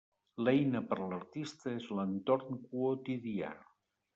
L'eina per l'artista és l'entorn quotidià.